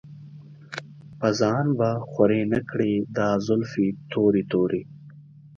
پۀ ځان به خوَرې نۀ کړې دا زلفې تورې تورې